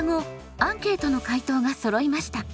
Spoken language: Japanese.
アンケートの回答がそろいました。